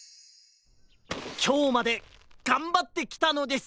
きょうまでがんばってきたのです！